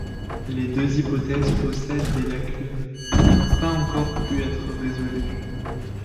Les deux hypothèses possèdent des lacunes qui n'ont pas encore pu être résolues.